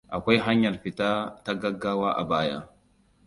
Akwai hanyar fita ta gaggawa a baya.